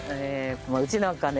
もううちなんかね